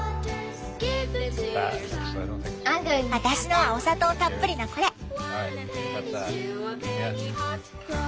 私のはお砂糖たっぷりなこれ！